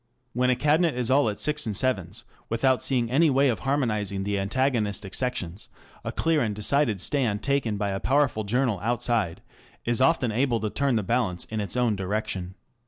When a Cabinet is all at sixes and sevens, without seeing any way of harmonizing the antagonistic sections, a clear and decided stand taken by a powerful journal outside is often able to turn the balance in its own direction.